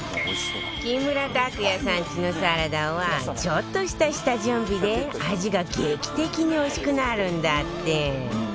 木村拓哉さんちのサラダはちょっとした下準備で味が劇的においしくなるんだって